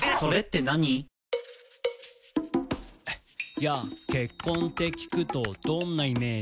「ＹＡ結婚って聴くとどんなイメージ？」